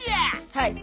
はい。